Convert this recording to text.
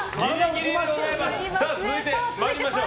続いて、参りましょう。